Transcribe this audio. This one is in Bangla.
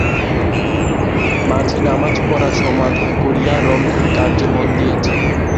মাঝি নমাজ পড়া সমাধা করিয়া রন্ধনকার্যে মন দিয়াছে।